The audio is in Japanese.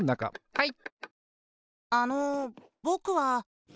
はい。